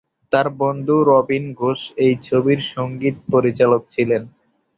তার বন্ধু রবীন ঘোষ এই ছবির সঙ্গীত পরিচালক ছিলেন।